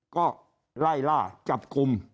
ก็ไล่ล่าจับกลุ่ม